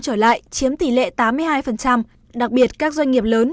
trở lại chiếm tỷ lệ tám mươi hai đặc biệt các doanh nghiệp lớn